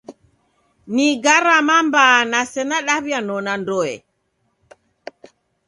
Ni gharama mbaa na sena daw'ianona ndoe.